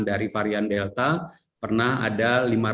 dari varian delta pernah ada lima ratus